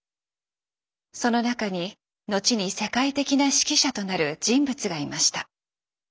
その中に後に世界的な指揮者となる人物がいました。